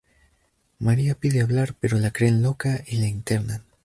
María pide hablar pero la creen loca y la internan.